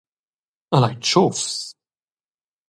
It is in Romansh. El ei tschufs.